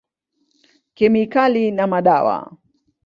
Kemikali na madawa.